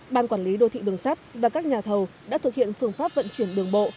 ban quản lý đô thị đường sắt và các nhà thầu đã thực hiện phương pháp vận chuyển đường bộ